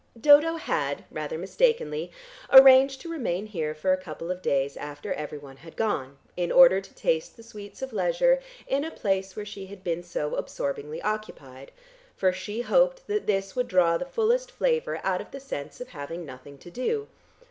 Dodo had, rather mistakenly, arranged to remain here for a couple of days after everyone had gone, in order to taste the sweets of leisure in a place where she had been so absorbingly occupied, for she hoped that this would draw the fullest flavour out of the sense of having nothing to do.